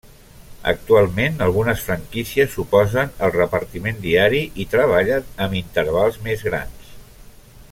Actualment algunes franquícies s'oposen al repartiment diari i treballen amb intervals més grans.